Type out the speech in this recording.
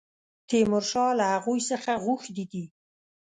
تیمورشاه له هغوی څخه غوښتي دي.